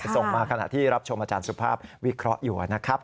ส่งมาขณะที่รับชมอาจารย์สุภาพวิเคราะห์อยู่นะครับ